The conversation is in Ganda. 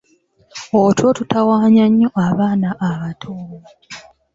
Otulo tutawaanya nnyo abaana abato.